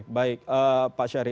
agar mereka tetaphi deari